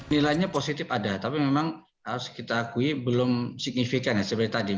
nilainya positif ada tapi memang harus kita akui belum signifikan ya seperti tadi